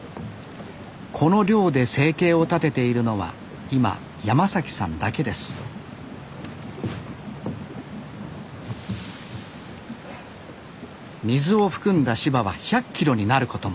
この漁で生計を立てているのは今山さんだけです水を含んだ柴は１００キロになることも。